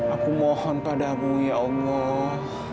aku mohon padamu ya allah